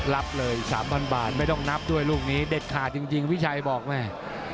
รับเลย๓๐๐บาทไม่ต้องนับด้วยลูกนี้เด็ดขาดจริงพี่ชัยบอกแม่